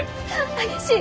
激しい！